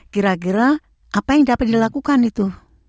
kira kira apa yang dapat dilakukan itu